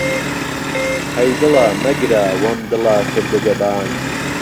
ههی دڵه -- ،مهگره، وهم دڵه کردگه بان